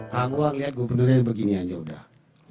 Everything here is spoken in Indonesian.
kamu lihat gubernurnya begini aja udah